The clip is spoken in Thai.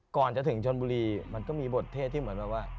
ก่อนจะถึงชนบุรีมันก็มีบทเทศที่เหมือนแบบว่า